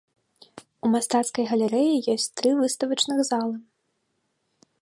У мастацкай галерэі ёсць тры выставачных залы.